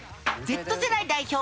Ｚ世代代表